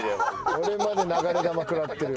俺まで流れ弾食らってる。